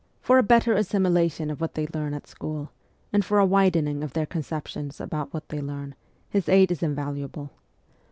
For a better assimila tion of what they learn at school, and for a widening of their conceptions about what they learn, his aid is invaluable.